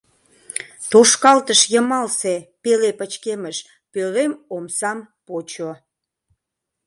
Тошкалтыш йымалсе пеле пычкемыш пӧлем омсам почо.